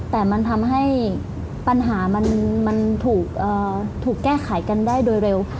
แต่มันทำให้ปัญหามันถูกแก้ไขกันได้โดยเร็ว